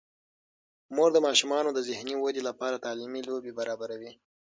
مور د ماشومانو د ذهني ودې لپاره تعلیمي لوبې برابروي.